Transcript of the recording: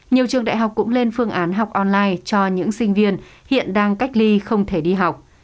nhiều trường đại học cũng lên phương án học online cho những sinh viên hiện đang cách ly không thể đi học